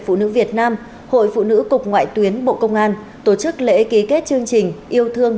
phụ nữ việt nam hội phụ nữ cục ngoại tuyến bộ công an tổ chức lễ ký kết chương trình yêu thương